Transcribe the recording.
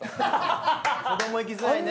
子供行きづらいね。